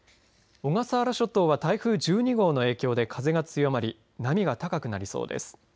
小笠原諸島は台風１２号の影響で風が強まり波が高くなりそうです。